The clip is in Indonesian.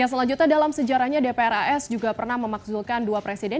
selanjutnya dalam sejarahnya dpr as juga pernah memakzulkan dua presiden